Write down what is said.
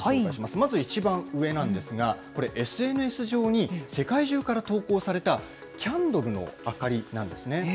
まず一番上なんですが、これ、ＳＮＳ上に世界中から投稿されたキャンドルの明かりなんですね。